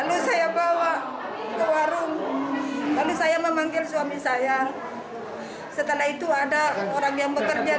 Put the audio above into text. lalu saya bawa ke warung lalu saya memanggil suami saya setelah itu ada orang yang bekerja